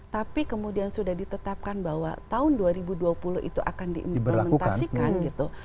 tapi kemudian sudah ditetapkan bahwa tahun dua ribu dua puluh itu akan diimplementasikan gitu